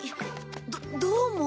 どどうも。